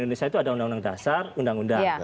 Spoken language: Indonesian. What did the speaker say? indonesia itu ada undang undang dasar undang undang